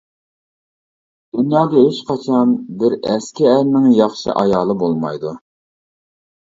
دۇنيادا ھېچ قاچان بىر ئەسكى ئەرنىڭ ياخشى ئايالى بولمايدۇ.